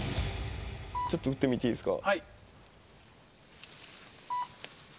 ちょっと射ってみてもいいですか？